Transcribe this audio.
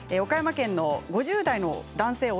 岡山県の５０代の方です。